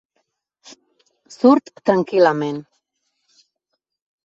Surt tranquil·lament.